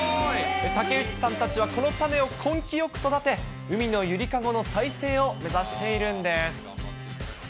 竹内さんたちはこの種を根気よく育て、海の揺りかごの再生を目指しているんです。